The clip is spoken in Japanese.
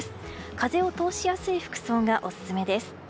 風を通しやすい服装がオススメです。